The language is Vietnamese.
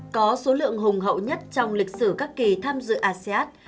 có số lượng hùng hậu nhất trong lịch sử các kỳ tham dự asean